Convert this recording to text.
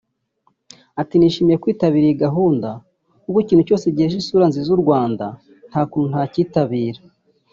Ati « Nishimiye kwitabira iyi gahunda kuko ikintu cyose gihesha isura nziza u Rwanda nta kuntu ntacyitabira